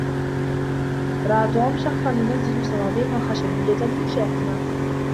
رأى توم شخصا ينزّل صناديقا خشبية من شاحنة.